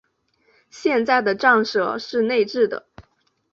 现在的站舍是内置的。